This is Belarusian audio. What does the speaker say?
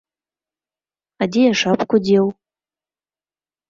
А дзе я шапку дзеў?